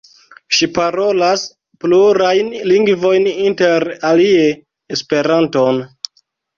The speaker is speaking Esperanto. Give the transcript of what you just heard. Ŝi parolas plurajn lingvojn inter alie Esperanton.